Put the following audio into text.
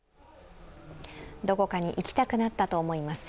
どこかに行きたくなったと思います。